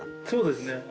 そうですね。